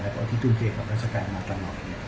และพออธิตุใจของราชการมาต่อหลอก